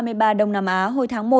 u hai mươi ba đông nam á hồi tháng một